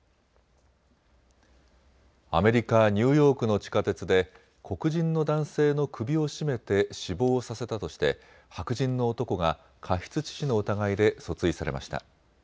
アメリカ・ニューヨークの地下鉄で黒人の男性の首を絞めて死亡させたとして白人の男が過失致死の疑いで訴追されました。